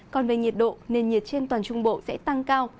còn về nhiệt độ nền nhiệt trên toàn trung bộ sẽ tăng cao